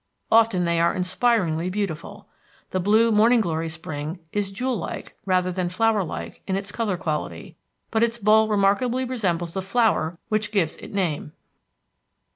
Often they are inspiringly beautiful. The blue Morning Glory Spring is jewel like rather than flower like in its color quality, but its bowl remarkably resembles the flower which gives it name.